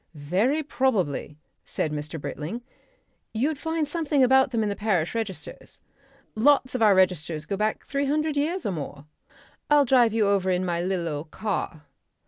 "Very probably," said Mr. Britling, "you'd find something about them in the parish registers. Lots of our registers go back three hundred years or more. I'll drive you over in my lil' old car."